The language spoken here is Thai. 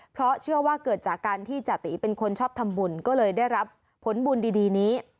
เพราะเชื่อว่าเกิดจากการที่จติเป็นคนชอบทำบุญก็เลยได้รับผลบุญดีนี้